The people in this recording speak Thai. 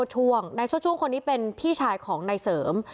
ช่วงนายชดช่วงคนนี้เป็นพี่ชายของนายเสริม